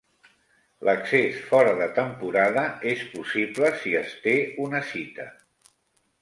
L'accés fora de temporada és possible si es té una cita.